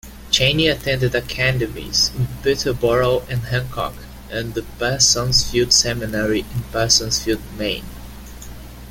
Cheney attended academies in Peterborough and Hancock and the Parsonsfield Seminary in Parsonsfield, Maine.